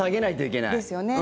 ですよね。